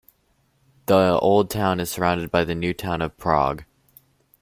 The Old Town is surrounded by the New Town of Prague.